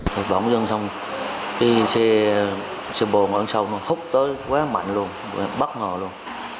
khi xe bồn ở trong hút tới quá mạnh luôn bất ngờ luôn